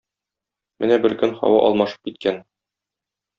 Менә бер көн һава алмашып киткән.